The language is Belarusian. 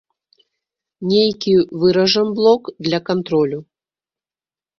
Нейкі выражам блок для кантролю.